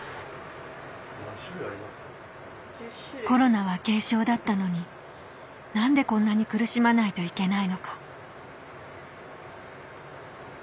コロナは軽症だったのに何でこんなに苦しまないといけないのか